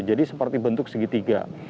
jadi seperti bentuk segitiga